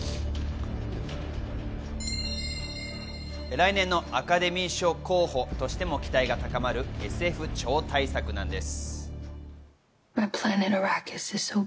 来年のアカデミー賞候補としても期待が高まる、ＳＦ超大作です。